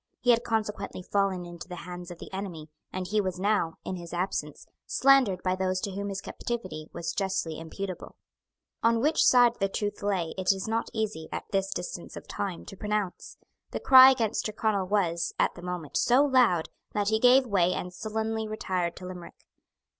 He had consequently fallen into the hands of the enemy; and he was now, in his absence, slandered by those to whom his captivity was justly imputable. On which side the truth lay it is not easy, at this distance of time, to pronounce. The cry against Tyrconnel was, at the moment, so loud, that he gave way and sullenly retired to Limerick.